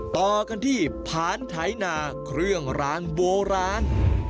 ต่อกันที่ผานไถนาเครื่องรางโบราณ